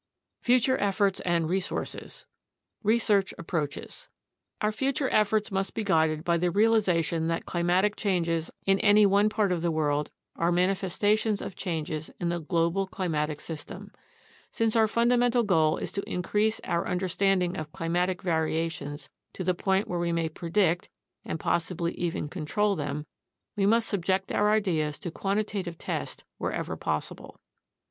FUTURE EFFORTS AND RESOURCES Research Approaches Our future efforts must be guided by the realization that climatic changes in any one part of the world are manifestations of changes in the global climatic system. Since our fundamental goal is to increase our understanding of climatic variations to the point where we may predict (and possibly even control) them, we must subject our ideas to quantitative test wherever possible.